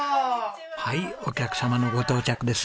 はいお客様のご到着です。